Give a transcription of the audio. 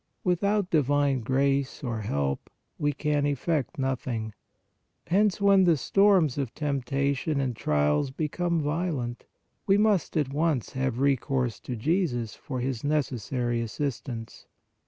Without divine grace or help we can effect nothing. Hence when the storms of tempta tion and trials become violent, we must at once have recourse to Jesus for His necessary assistance.